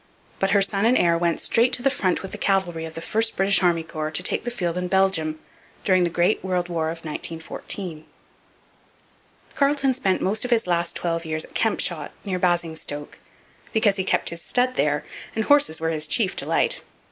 But her son and heir went straight to the front with the cavalry of the first British army corps to take the field in Belgium during the Great World War of 1914. Carleton spent most of his last twelve years at Kempshot near Basingstoke because he kept his stud there and horses were his chief delight.